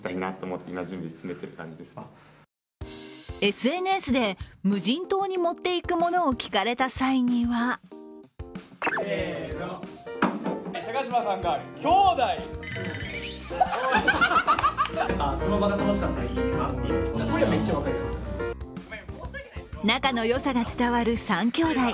ＳＮＳで、無人島に持っていくものを聞かれた際には仲のよさが伝わる３兄弟。